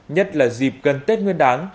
nhất là dịp gần tết nguyên đáng